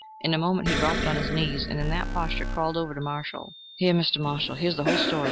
In a moment he dropped on his knees, and in that posture crawled over to Marshall: "Here, Mr. Marshall here's the whole story.